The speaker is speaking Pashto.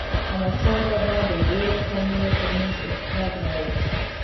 احمدشاه بابا د ډیرو قومونو ترمنځ اتحاد راووست.